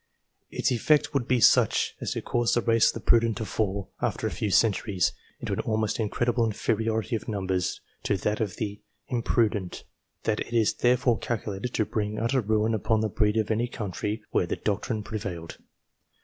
Its effect would be such as to cause the race of the prudent to fall, after a few centuries, into an almost incredible inferiority of numbers to that of the imprudent, and it is therefore calculated to bring utter ruin upon the breed of any country where the doctrine prevailed.